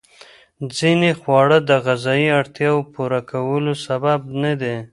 ځینې خواړه د غذایي اړتیاوو پوره کولو سبب ندي.